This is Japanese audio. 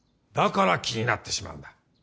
だから気になってしまうんだ。